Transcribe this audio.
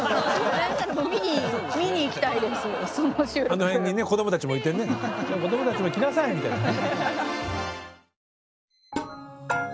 あの辺にね子供たちもいてね子供たちも来なさいみたいなね。